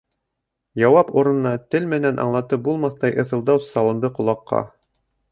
Яуап урынына тел менән аңлатып булмаҫтай ыҫылдау салынды ҡолаҡҡа.